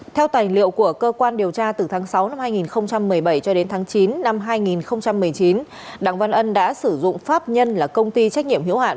theo tài liệu của cơ quan điều tra từ tháng sáu năm hai nghìn một mươi bảy cho đến tháng chín năm hai nghìn một mươi chín đặng văn ân đã sử dụng pháp nhân là công ty trách nhiệm hiếu hạn